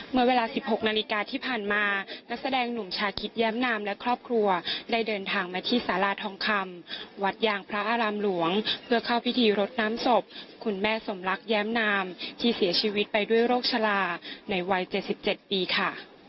เมื่อเวลา๑๖นาฬิกาที่ผ่านมานักแสดงหนุ่มชาคิดแย้มนามและครอบครัวได้เดินทางมาที่สาราทองคำวัดยางพระอารามหลวงเพื่อเข้าพิธีรดน้ำศพคุณแม่สมรักแย้มนามที่เสียชีวิตไปด้วยโรคชะลาในวัย๗๗ปีค่ะ